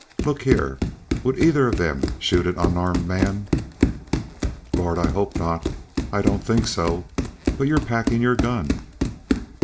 Look here, would either of them shoot an unarmed man?" "Lord, I hope not; I don't think so. But you're packing your gun."